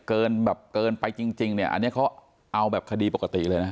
แบบเกินไปจริงจริงเนี่ยอันนี้เขาเอาแบบคดีปกติเลยนะ